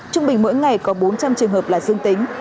trung bình mỗi ngày có bốn trăm linh trường hợp là dương tính